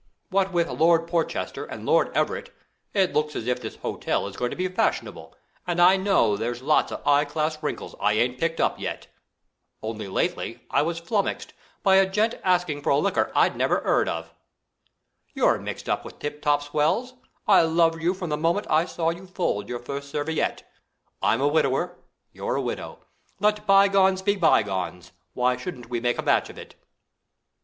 What with Lord Porchester and Lord Everett, it looks as if this hotel is going to be fashionable and I know there's lots of 'igh class wrinkles I ain't picked up yet. Only lately I was flummoxed by a gent asking for a liqueur I'd never 'eard of. You're mixed up with tip top swells; I loved you from the moment I saw you fold your first serviette. I'm a widower, you're a widow. Let bygones be bygones. Why shouldn't we make a match of it?"